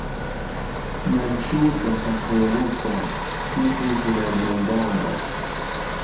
مەنشوور بە فەقێ ڕووسە تیپی هوونەرمەندانە